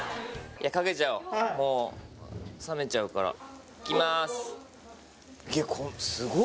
もう冷めちゃうからいきます